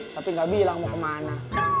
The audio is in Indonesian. tapi gak bilang mau kemana